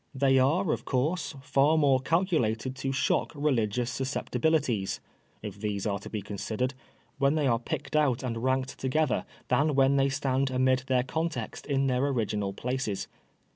They are, of course, far more calculated to shock religious susceptibilities (if these are to be considered) when they are picked out and ranked OUR INDICTMENT. 47 together than when they stand amid their context in their original places.